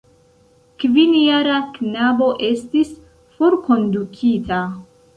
Kvinjara knabo estis forkondukita.